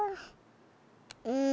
うん。